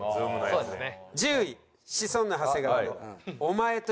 そうですね。